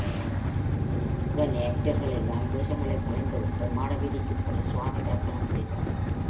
உடனே ஆக்டர்களெல்லாம் வேஷங்களைக் களைந்துவிட்டு, மாட வீதிக்குப்போய் ஸ்வாமி தரிசனம் செய்தோம்.